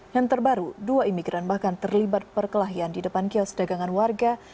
yang terbaru dua imigran bahkan terlibat perkelahian di depan kios dagangan warga